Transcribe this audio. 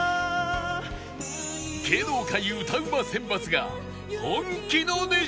芸能界歌うま選抜が本気の熱唱！